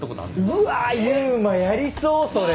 うわっ勇馬やりそうそれ。